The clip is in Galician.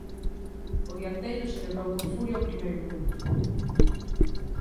O dianteiro celebrou con furia o primeiro punto.